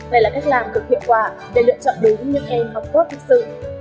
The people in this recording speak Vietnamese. đây là cách làm được hiệu quả để lựa chọn đúng những em học tốt thực sự